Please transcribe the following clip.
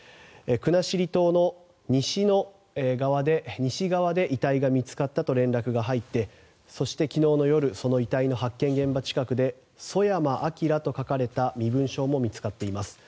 国後島の西側で遺体が見つかったと連絡が入ってそして、昨日の夜遺体の発見現場近くでソヤマ・アキラと書かれた身分証も見つかっています。